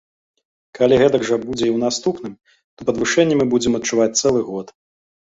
Калі гэтак жа будзе і ў наступным, то падвышэнне мы будзем адчуваць цэлы год.